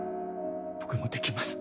僕もできます。